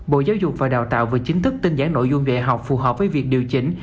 bộ giáo dục và đào tạo vừa chính thức tinh giản nội dung dạy học phù hợp với việc điều chỉnh